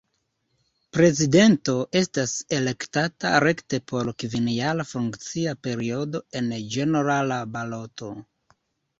Prezidento estas elektata rekte por kvinjara funkcia periodo en ĝenerala baloto.